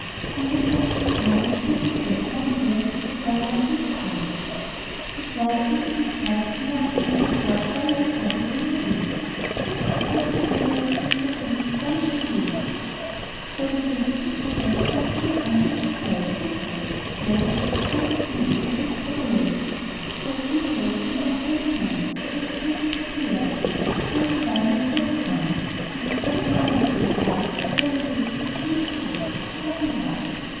From the time of his marriage till his death, nine years, says Rev. Mr. Haweis, "his life can be compared to nothing but a torch burning out rapidly in the wind." It was a period of incessant, astonishing labor. He dedicated six quartets to his dear friend Joseph Haydn, who said, "Mozart is the greatest composer who has ever lived"; wrote "Figaro" when he was twenty nine, which had the greatest popularity, "Don Giovanni" at thirty one, and the "Flauto Magico" gratis, for the benefit of the theatre director, who was in want.